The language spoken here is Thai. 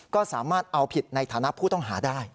ก็สามารถเอาผิดในฐานะผู้ต้องหาได้